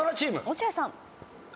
落合さん。